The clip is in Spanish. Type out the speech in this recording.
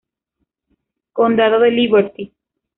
Condado de Liberty